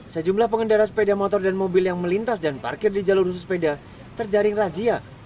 sejumlah pengendara sepeda motor dan mobil yang melintas dan parkir di jalur khusus sepeda terjaring razia